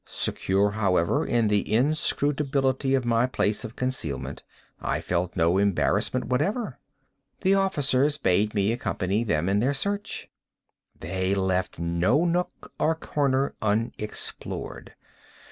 Secure, however, in the inscrutability of my place of concealment, I felt no embarrassment whatever. The officers bade me accompany them in their search. They left no nook or corner unexplored.